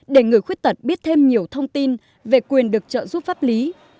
để người khuyết tật biết thêm nhiều thông tin về quyền được trợ giúp pháp lý